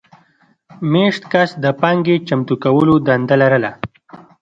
مېشت کس د پانګې چمتو کولو دنده لرله.